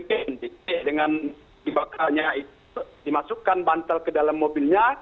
jadi dengan dibakarnya itu dimasukkan bantal ke dalam mobilnya